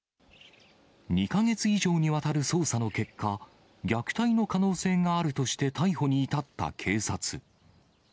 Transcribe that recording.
２か月以上にわたる捜査の結果、虐待の可能性があるとして逮捕に至った警察。